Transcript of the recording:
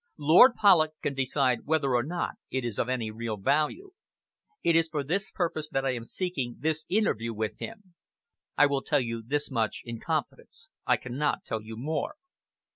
Lord Polloch can decide whether or not it is of any real value. It is for this purpose that I am seeking this interview with him. I tell you this much in confidence. I cannot tell you more."